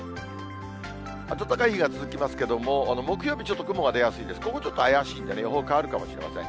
暖かい日が続きますけれども、木曜日、ちょっと雲が出やすいです、ここちょっと怪しいですね、予報変わるかもしれません。